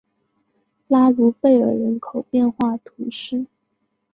拉卢贝尔人口变化图示